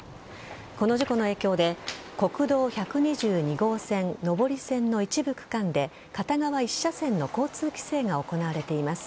この事故の影響で国道１２２号線上り線の一部区間で片側１車線の交通規制が行われています。